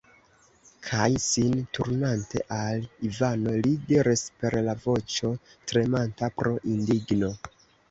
Kaj, sin turnante al Ivano, li diris per la voĉo, tremanta pro indigno.